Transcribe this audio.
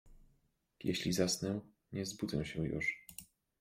Jeśli zasnę, nie zbudzę się już.